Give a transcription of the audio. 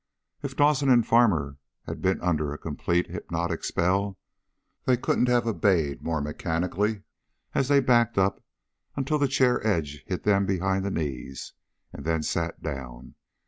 If Dawson and Farmer had been under a complete hypnotic spell they couldn't have obeyed more mechanically as they backed up until the chair edge hit them behind the knees, and then sat down.